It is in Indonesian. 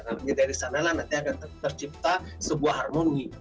kalau punya dari sana lah nanti akan tercipta sebuah harmoni